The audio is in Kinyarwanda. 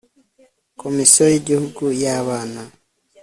komisiyo yigihugu ya bana